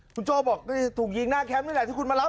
คุณโจ้บอกถูกยิงหน้าแคมป์นี่แหละที่คุณมารับ